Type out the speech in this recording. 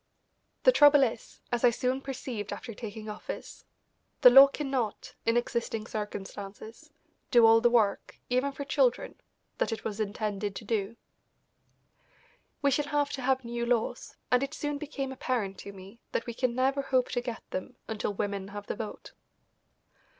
The trouble is, as I soon perceived after taking office, the law cannot, in existing circumstances, do all the work, even for children, that it was intended to do. We shall have to have new laws, and it soon became apparent to me that we can never hope to get them until women have the vote.